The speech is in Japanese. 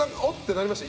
なりました。